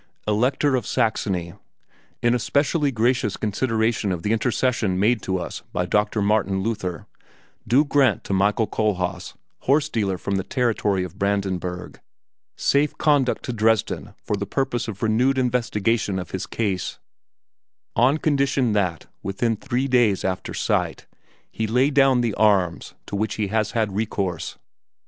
Elector of Saxony, in especially gracious consideration of the intercession made to us by Doctor Martin Luther, do grant to Michael Kohlhaas, horse dealer from the territory of Brandenburg, safe conduct to Dresden for the purpose of a renewed investigation of his case, on condition that, within three days after sight, he lay down the arms to which he has had recourse.